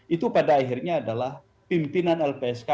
itu pada akhirnya adalah pimpinan lpsk